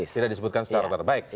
tidak disebutkan secara terbaik